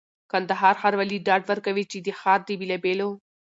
کندهار ښاروالي ډاډ ورکوي چي د ښار د بېلابېلو